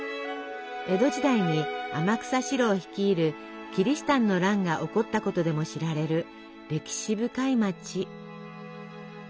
江戸時代に天草四郎率いるキリシタンの乱が起こったことでも知られる歴史深い町。